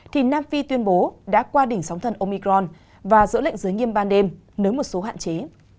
thì nam phi tuyên bố đã qua đỉnh sóng thần omicron và giữ lệnh giới nghiêm ban đêm nếu một số hạn chế